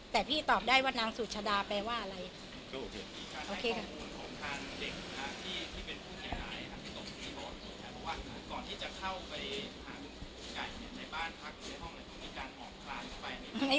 แต่พี่ตอบได้ว่านางสุชาดาแปลว่าอะไร